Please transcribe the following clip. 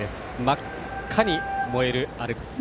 真っ赤に燃えるアルプス。